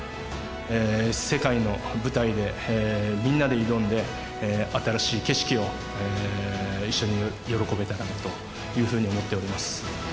世界の舞台でみんなで挑んで新しい景色を一緒に喜べたらなというふうに思っております。